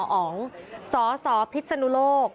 หรือหมออ๋องสสพิษะนุโลก